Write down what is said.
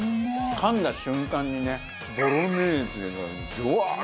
かんだ瞬間にねボロネーゼがドワーッ！